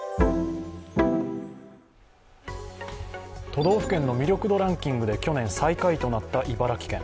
都道府県の魅力度ランキングで去年、再開となった茨城県。